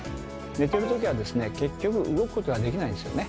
寝てるときはですね結局動くことはできないんですよね。